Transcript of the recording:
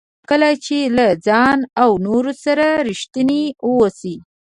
کله چې له ځان او نورو سره ریښتیني واوسئ.